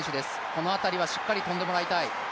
この辺りはしっかり跳んでもらいたい。